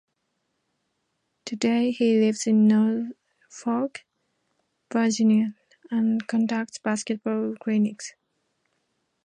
Today, he lives in Norfolk, Virginia and conducts basketball clinics.